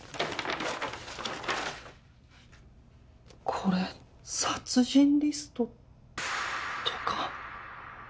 これ殺人リストとか？